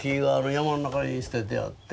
山の中に捨ててあって。